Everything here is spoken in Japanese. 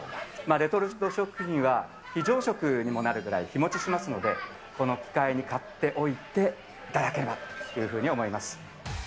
レトルト食品は非常食にもなるぐらい日もちしますので、この機会に買っておいていただければというふうに思います。